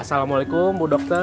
assalamualaikum bu dokter